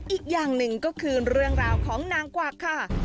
อีกอย่างหนึ่งก็คือเรื่องราวของนางกวักค่ะ